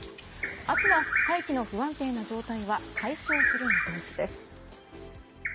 明日は大気の不安定な状態は解消する見通しです。